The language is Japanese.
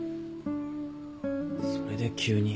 それで急に。